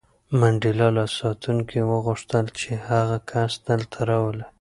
منډېلا له ساتونکي وغوښتل چې هغه کس دلته راولي.